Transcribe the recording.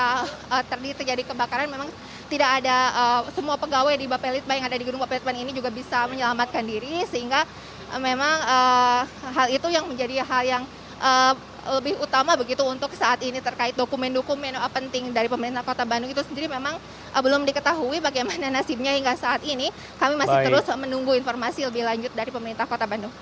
ketika terjadi kebakaran memang tidak ada semua pegawai di bapelit bank yang ada di gedung bapelit bank ini juga bisa menyelamatkan diri sehingga memang hal itu yang menjadi hal yang lebih utama begitu untuk saat ini terkait dokumen dokumen penting dari pemerintahan kota bandung itu sendiri memang belum diketahui bagaimana nasibnya hingga saat ini kami masih terus menunggu informasi lebih lanjut dari pemerintahan kota bandung